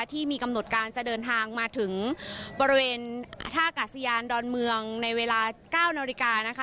ที่มีกำหนดการจะเดินทางมาถึงบริเวณท่ากาศยานดอนเมืองในเวลา๙นาฬิกานะคะ